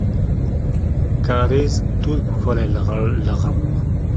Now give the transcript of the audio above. کاریز ټول پوښلی لغم و.